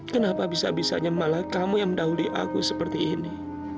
kenapa bisa bisanya malah kamu yang mendahuli aku seperti ini